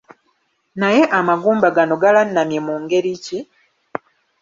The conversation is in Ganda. Naye amagumba gano galannamye mu ngeri ki?